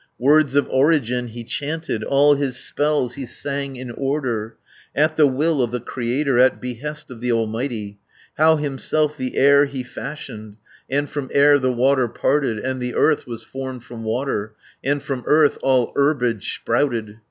540 Words of origin he chanted, All his spells he sang in order, At the will of the Creator, At behest of the Almighty, How himself the air he fashioned, And from air the water parted, And the earth was formed from water, And from earth all herbage sprouted.